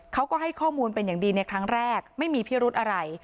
เขาก็ให้ข้อมูลเป็นอย่างดีในครั้งแรกไม่มีพิรุธอะไร